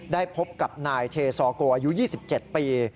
ได้พบกับนายเทซอโกอายุ๒๗ปี